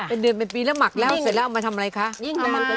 เป็นเดือนเป็นปีแล้วหมักแล้วเสร็จแล้วเอามาทำอะไรคะ